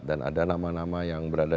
ada nama nama yang berada